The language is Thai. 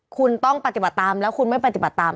คุณต้องปฏิบัติตามแล้วคุณไม่ปฏิบัติตาม